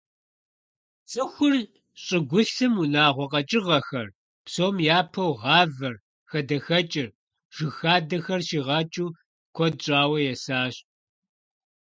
ЦӀыхур щӀыгулъым унагъуэ къэкӀыгъэхэр, псом япэу гъавэр, хадэхэкӀыр, жыг хадэхэр щигъэкӀыу куэд щӀауэ есащ.